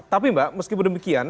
tapi mbak meskipun demikian